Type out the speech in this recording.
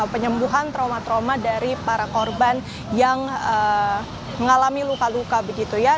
penyembuhan trauma trauma dari para korban yang mengalami luka luka begitu ya